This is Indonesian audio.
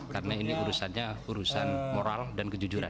karena ini urusannya urusan moral dan kejujuran